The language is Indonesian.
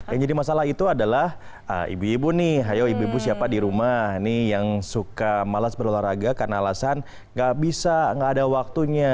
yang jadi masalah itu adalah ibu ibu nih ayo ibu ibu siapa di rumah nih yang suka malas berolahraga karena alasan gak bisa nggak ada waktunya